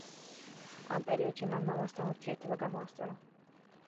ამ პერიოდში მან მამასთან ურთიერთობა გამოასწორა.